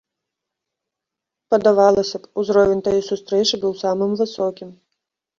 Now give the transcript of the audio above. Падавалася б, узровень тае сустрэчы быў самым высокім.